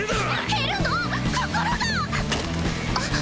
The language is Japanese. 減るの心が！あっ。